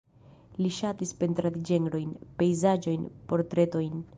Li ŝatis pentradi ĝenrojn, pejzaĝojn, portretojn.